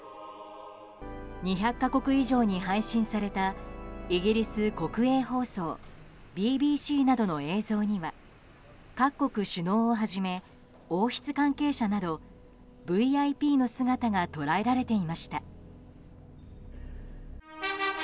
２００か国以上に配信されたイギリス国営放送ＢＢＣなどの映像には各国首脳をはじめ王室関係者などＶＩＰの姿が捉えられていました。